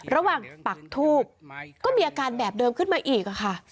ปักทูบก็มีอาการแบบเดิมขึ้นมาอีกค่ะ